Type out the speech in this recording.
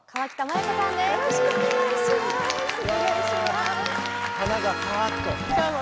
よろしくお願いします。